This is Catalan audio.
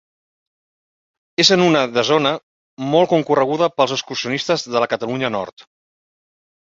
És en una de zona molt concorreguda pels excursionistes de la Catalunya del Nord.